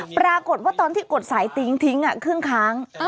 ปรากฏว่าตอนที่กดสายติ๊งทิ้งครึ่งค้าง